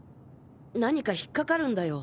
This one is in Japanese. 何か引っ掛かるんだよ